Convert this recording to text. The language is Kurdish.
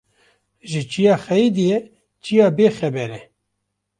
Ji çiya xeyîdiye çiya bê xeber e